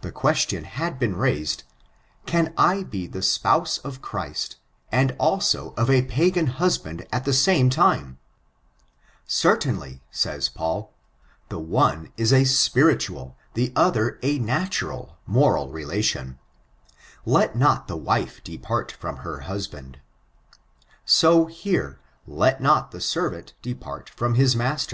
The question had been raised. Can I be the spouse of Christ, and also of a pagan husband at the ^N^^^^l^^^^fe^ I ' 686 8SBX0TUBSB aame timet Certainly, a^ys Paiil» the one is apiritiialt the other a natural HDM>ral rektioo: "Let not the wife depart firom her hushand:" so, here, let not the aenrant d^art from his nuuBtw.